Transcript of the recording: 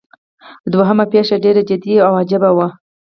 دوهمه پیښه ډیره جدي او عجیبه وه.